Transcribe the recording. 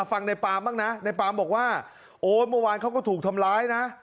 ฟังในปามบ้างนะในปามบอกว่าโอ้เมื่อวานเขาก็ถูกทำร้ายนะ